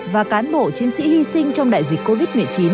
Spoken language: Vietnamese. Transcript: và cán bộ chiến sĩ hy sinh trong đại dịch covid một mươi chín